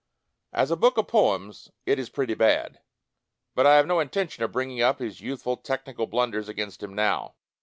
As a book of poems it is pretty bad, but I have no intention of bringing up his youth ful technical blunders against him now.